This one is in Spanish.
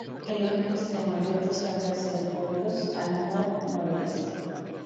El único extremo abierto se abre hacia Óbidos, al nor noroeste.